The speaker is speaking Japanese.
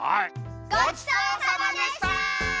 ごちそうさまでした！